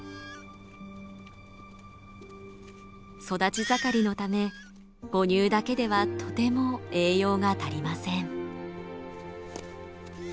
育ち盛りのため母乳だけではとても栄養が足りません。